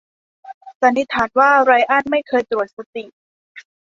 สันนิษฐานว่าไรอันไม่เคยตรวจสติ